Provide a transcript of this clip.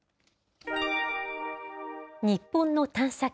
日本の探査機